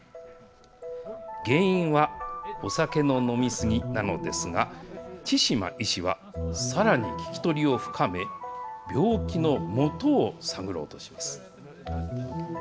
原因はお酒の飲み過ぎなのですが、千嶋医師はさらに聞き取りを深め、病気のもとを探ろうとします。